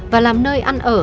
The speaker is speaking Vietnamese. và làm nơi ăn ở